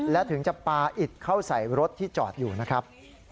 และถึงจะปาอิดเข้าใส่รถที่จอดอยู่นะครับ